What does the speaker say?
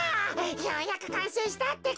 ようやくかんせいしたってか。